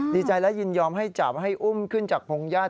ดีใจและยินยอมให้จับให้อุ้มขึ้นจากพงญาติ